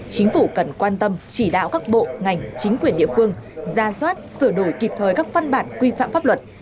chính phủ cần quan tâm chỉ đạo các bộ ngành chính quyền địa phương ra soát sửa đổi kịp thời các văn bản quy phạm pháp luật